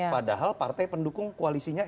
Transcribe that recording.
padahal partai pendukung koalisinya